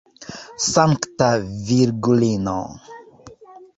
Sankta Virgulino!